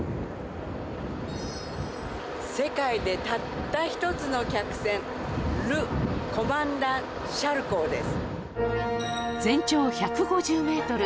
世界でたった一つの客船ル・コマンダン・シャルコーです